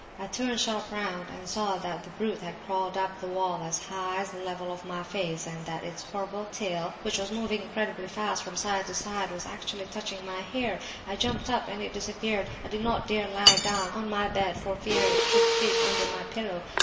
I turned sharp round and saw that the brute had crawled up the wall as high as the level of my face, and that its horrible tail, which was moving incredibly fast from side to side, was actually touching my hair! I jumped up—and it disappeared. I did not dare lie down on my bed for fear it should creep under my pillow.